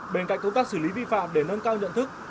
bên cạnh công tác xử lý vi phạm để nâng cao nhận thức